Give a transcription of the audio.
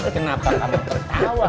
kenapa kamu tertawa cuk